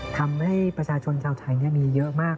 ทำให้ประชาชนชาวไทยมีเยอะมาก